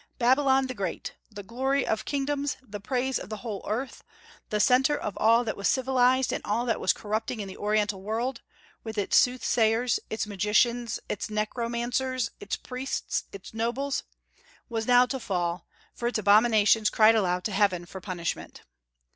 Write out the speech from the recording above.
Babylon the great, "the glory of kingdoms," "the praise of the whole earth," the centre of all that was civilized and all that was corrupting in the Oriental world, with its soothsayers, its magicians, its necromancers, its priests, its nobles, was now to fall, for its abominations cried aloud to heaven for punishment.